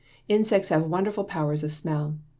Insects have wonderful powers of smell.